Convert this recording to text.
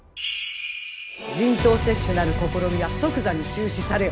人痘接種なる試みは即座に中止されよ！